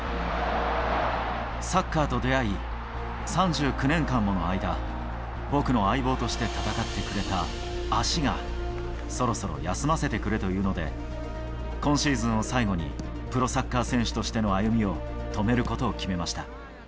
サッカーと出会い、３９年間もの間、僕の相棒として戦ってくれた足が、そろそろ休ませてくれと言うので、今シーズンを最後に、プロサッカー選手としての歩みを止めることを決めました。